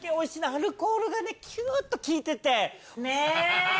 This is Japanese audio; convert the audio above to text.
アルコールがねキュっと利いててねぇ。